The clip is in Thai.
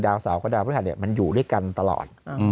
ดาวน์สาวก็ดาวน์พระภักดิ์เนี่ยมันอยู่ด้วยกันตลอด